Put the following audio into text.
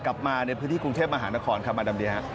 กลับมาในพื้นที่กรุงเทพมหานครครับมาดำเดีย